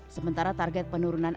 sementara target penurunan